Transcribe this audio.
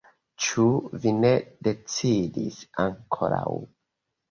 Ĉu vi ne decidis ankoraŭ?